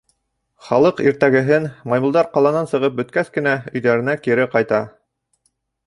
Халыҡ иртәгәһен, маймылдар ҡаланан сығып бөткәс кенә, өйҙәренә кире ҡайта.